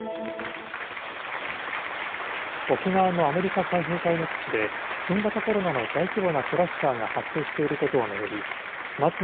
沖縄のアメリカ海兵隊の基地で新型コロナの大規模なクラスターが発生していることを巡り松野